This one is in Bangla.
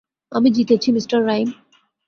আমি জিতেছি, মিঃ রাইম।